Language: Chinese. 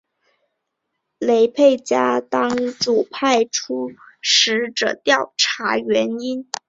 雷沛家当主派出使者调查原因。